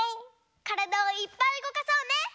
からだをいっぱいうごかそうね！